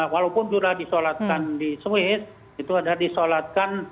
walaupun sudah disolatkan di swiss itu adalah disolatkan